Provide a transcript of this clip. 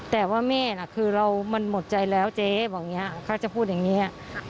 แต่ว่าแม่น่ะคือเรามันหมดใจแล้วเจ๊บอกอย่างนี้เขาจะพูดอย่างนี้